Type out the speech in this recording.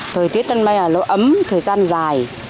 thời tiết năm nay là nó ấm thời gian dài